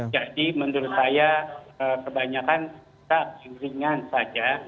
jadi menurut saya kebanyakan ringan saja